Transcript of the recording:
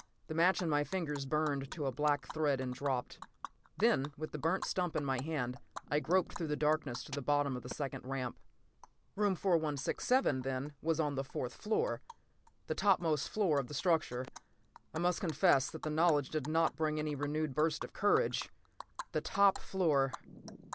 The match in my fingers burned to a black thread and dropped. Then, with the burnt stump still in my hand, I groped through the darkness to the bottom of the second ramp. Room 4167, then, was on the fourth floor—the topmost floor of the structure. I must confess that the knowledge did not bring any renewed burst of courage! The top floor!